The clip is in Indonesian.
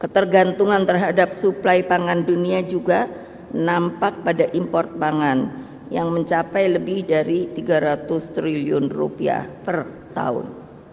ketergantungan terhadap suplai pangan dunia juga nampak pada impor pangan yang mencapai lebih dari tiga ratus triliun rupiah per tahun